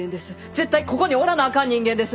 絶対ここにおらなあかん人間です。